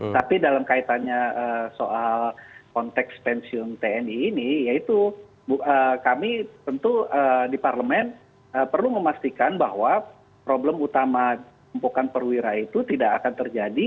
tapi dalam kaitannya soal konteks pensiun tni ini yaitu kami tentu di parlemen perlu memastikan bahwa problem utama tumpukan perwira itu tidak akan terjadi